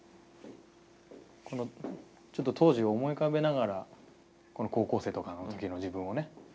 ちょっと当時を思い浮かべながらこの高校生とかの時の自分をね